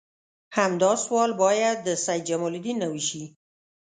همدا سوال باید د سید جمال الدین نه وشي.